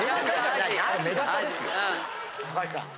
高橋さん